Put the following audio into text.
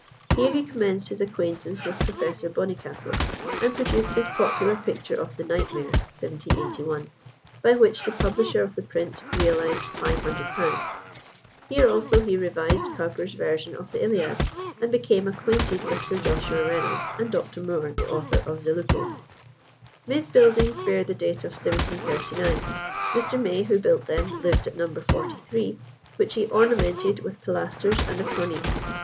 Here he commenced his acquaintance with Professor Bonnycastle, and produced his popular picture of "The Nightmare" (1781), by which the publisher of the print realised £500. Here also he revised Cowper's version of the Iliad, and became acquainted with Sir Joshua Reynolds and Dr. Moore, the author of Zeluco. May's Buildings bear the date of 1739. Mr. May, who built them, lived at No. 43, which he ornamented with pilasters and a cornice.